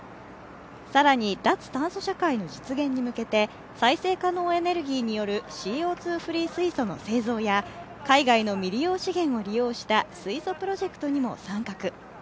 更に、脱炭素社会の実現に向けて再生可能エネルギーによるＣＯ２フリー水素の製造や海外の未利用資源を利用した水素プロジェクトにも参画。